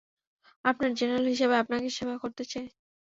আপনার জেনারেল হিসেবে আপনাকে সেবা করতে চাই!